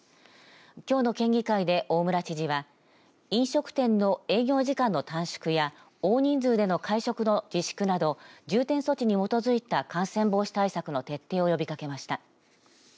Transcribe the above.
きょうの県議会で大村知事は飲食店の営業時間の短縮や大人数での会食の自粛など重点措置に基づいた感染防止対策の徹底を呼びかけました。